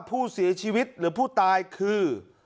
ผู้เสียชีวิตหรือผู้ตายคือ